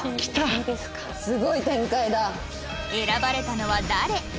選ばれたのは誰？